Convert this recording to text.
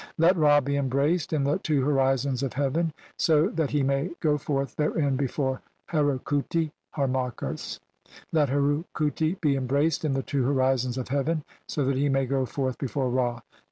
"Let Ra be embraced in the two horizons of hea "ven, so that he may go forth therein before Heru "khuti (Harmachis)." "Let Heru khuti be embraced in the two horizons "of heaven, so that he may go forth before Ra."